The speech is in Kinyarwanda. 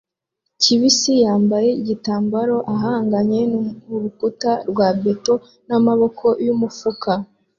kibisi yambaye igitambaro ahanganye nurukuta rwa beto n'amaboko mumufuka